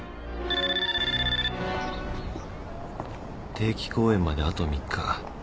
定期公演まであと３日。